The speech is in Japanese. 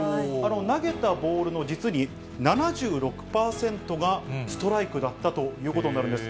投げたボールの実に７６％がストライクだったということになるんです。